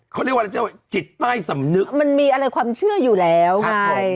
เขาเรียกว่าจิตใต้สำนึกมันมีความเชื่ออยู่แล้วไง